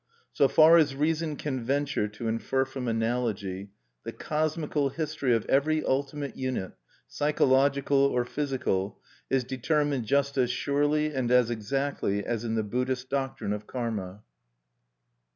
So far as reason can venture to infer from analogy, the cosmical history of every ultimate unit, psychological or physical, is determined just as surely and as exactly as in the Buddhist doctrine of karma.